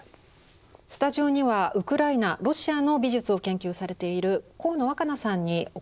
スタジオにはウクライナロシアの美術を研究されている鴻野わか菜さんにお越し頂きました。